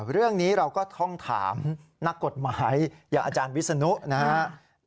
เรื่องนี้เราก็ท่องถามนักกฎหมายอย่างอาจารย์วิศนุนะครับ